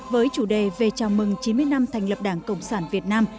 với chủ đề về chào mừng chín mươi năm thành lập đảng cộng sản việt nam